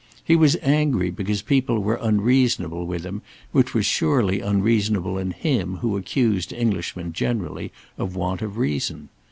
He was angry because people were unreasonable with him, which was surely unreasonable in him who accused Englishmen generally of want of reason.